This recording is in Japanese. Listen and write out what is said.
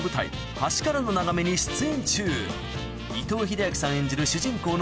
『橋からの眺め』に出演中伊藤英明さん演じる主人公の妻役を演じています